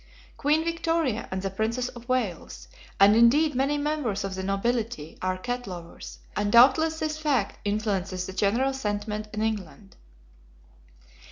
Queen Victoria, and the Princess of Wales, and indeed many members of the nobility are cat lovers, and doubtless this fact influences the general sentiment in England.